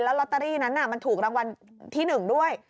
ลอตเตอรี่นั้นมันถูกรางวัลที่๑ด้วย